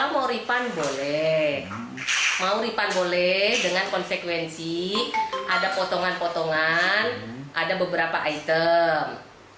mereka boleh dengan konsekuensi ada potongan potongan ada beberapa item